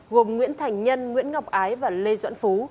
gồm nguyễn thành nhân nguyễn ngọc ái và lê duẩn phú